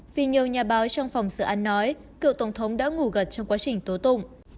vì nhiều nhà báo trong phòng xử an nói cựu tổng thống đã ngủ gật trong quá trình tố tụng